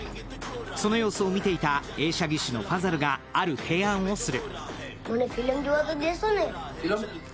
その様子を見ていた映写技師のファザルがある提案をする。